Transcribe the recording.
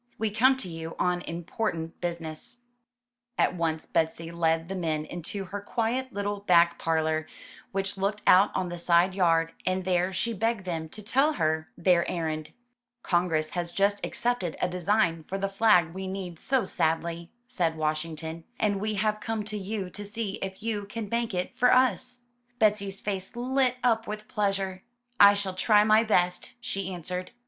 ''We come to you on important business." At once Betsy led the men into her quiet little back 294 UP ONE PAIR OF STAIRS parlor, which looked out on the side yard, and there she begged them to tell her their errand. ''Congress has just accepted a design for the flag we need so sadly,'* said Washington, ''and we have come to you to see if you can make it for us.'* Betsy's face lit up with pleasure. "I shall try my best," she answered.